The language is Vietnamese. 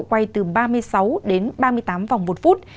quay từ ba mươi sáu đến ba mươi tám vòng một phút